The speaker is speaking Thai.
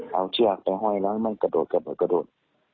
เอาเชือกไปห้อยแล้วมันกระโดดกระโดด